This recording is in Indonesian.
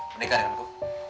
menikah dengan aku